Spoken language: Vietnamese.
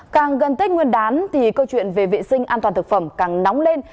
càng gần tết nguyên đán thì câu chuyện về vệ sinh an toàn thực phẩm càng nóng lên